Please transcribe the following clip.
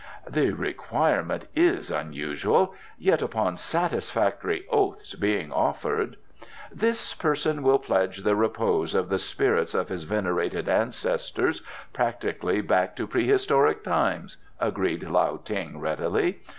"The requirement is unusual. Yet upon satisfactory oaths being offered " "This person will pledge the repose of the spirits of his venerated ancestors practically back to prehistoric times," agreed Lao Ting readily.